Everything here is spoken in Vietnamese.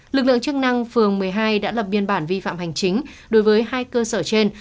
lực lượng chức năng phường một mươi hai đã lập biên bản vi phạm hành chính đối với hai cơ sở trên